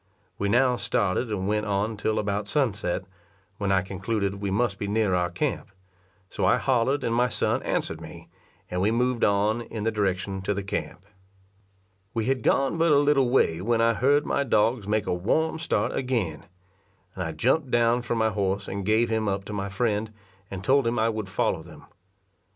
We now started and went on till about sunset, when I concluded we must be near our camp; so I hollered and my son answered me, and we moved on in the direction to the camp. We had gone but a little way when I heard my dogs make a warm start again; and I jumped down from my horse and gave him up to my friend, and told him I would follow them.